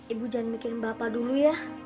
ibu jangan bikin bapak dulu ya